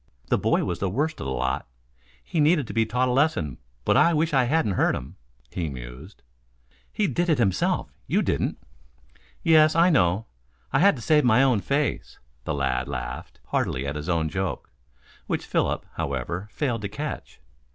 The boy was the worst of the lot. He needed to be taught a lesson, but I wish I hadn't hurt him," he mused. "He did it himself; you didn't." "Yes, I know. I had to to save my own face." The lad laughed heartily at his own joke, which Philip, however, failed to catch.